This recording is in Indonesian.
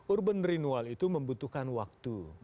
urban renewal itu membutuhkan waktu